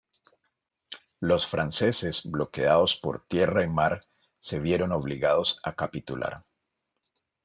Los franceses, bloqueados por tierra y mar, se vieron obligados a capitular.